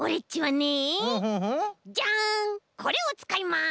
ジャンこれをつかいます！